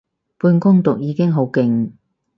半工讀已經好勁